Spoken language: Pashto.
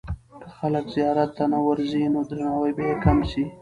که خلک زیارت ته نه ورځي، نو درناوی به یې کم سي.